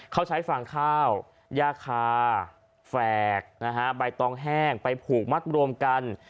เขาใช้ฟางข้าวย่าคาแฝกนะฮะใบตองแห้งไปผูกมัดรวมกัน